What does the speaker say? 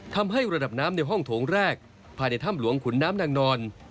ทำให้ระดับน้ำในห้องโถงแรกภายในถ้ำหลวงขุนน้ำนางนอน